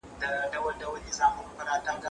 که وخت وي، ليکنه کوم،